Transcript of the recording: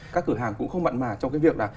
các cửa hàng cũng không mặn mà trong cái việc là